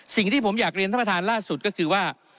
สิ่งที่ผมอยากเรียนท่านประธานล่าสุดก็คือว่า